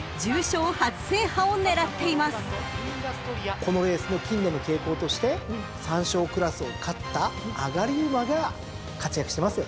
このレースの近年の傾向として３勝クラスを勝った上がり馬が活躍してますよね。